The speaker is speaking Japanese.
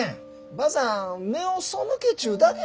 ばあさん目をそむけちゅうだけじゃ。